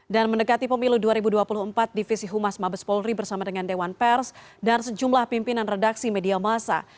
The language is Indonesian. dan mendekati pemilu dua ribu dua puluh empat divisi humas mabes polri bersama dengan dewan pers dan sejumlah pimpinan redaksi media masa